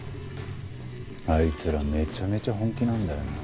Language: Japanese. あいつらめちゃめちゃ本気なんだよな。